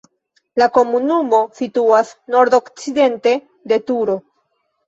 La komunumo situas nordokcidente de Turo.